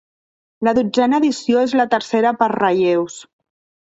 La dotzena edició és la tercera per relleus.